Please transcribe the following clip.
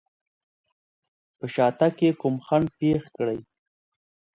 په شاتګ کې کوم خنډ پېښ کړي.